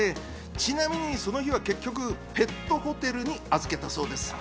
ちなみにその日は結局ペットホテルに預けたそうなんです。